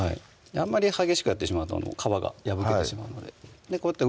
あんまり激しくやってしまうと皮が破けてしまうのでこういった